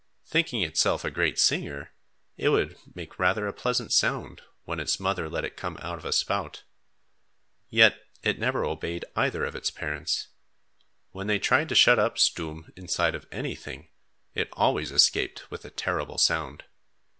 Thinking itself a great singer, it would make rather a pleasant sound, when its mother let it come out of a spout. Yet it never obeyed either of its parents. When they tried to shut up Stoom inside of anything, it always escaped with a terrible sound.